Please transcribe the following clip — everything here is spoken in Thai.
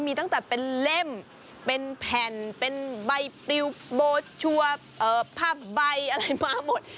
มีตั้งแต่เป็นเล่มเป็นแผ่นเป็นใบปลิวโบชัวร์ผ้าใบอะไรมาหมด